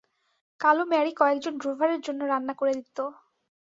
কালো ম্যারি কয়েকজন ড্রোভারের জন্য রান্না করে দিত।